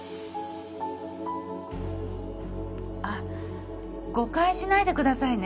あっ誤解しないでくださいね。